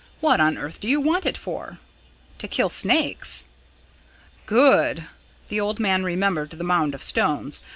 What on earth do you want it for?" "To kill snakes." "Good!" The old man remembered the mound of stones.